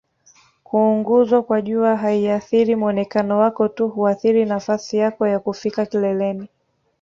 kuunguzwa kwa jua haiathiri muonekano wako tu huathiri nafasai yako ya kufika kileleni